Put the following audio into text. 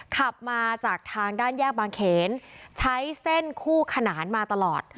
ขับมาจากทางด้านแยกบางเขนใช้เส้นคู่ขนานมาตลอด